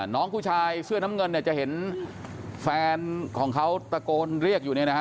น้องผู้ชายเสื้อนำเงินจะเห็นเฟ้นของเขาตะโกลเรียกอยู่